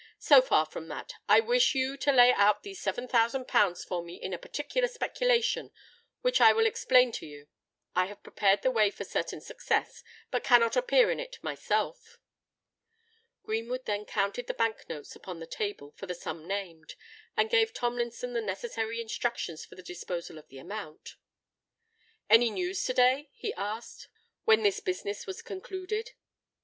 "So far from that, I wish you to lay out these seven thousand pounds for me in a particular speculation which I will explain to you. I have prepared the way for certain success, but cannot appear in it myself." Greenwood then counted the Bank notes upon the table for the sum named, and gave Tomlinson the necessary instructions for the disposal of the amount. "Any news to day?" he asked, when this business was concluded.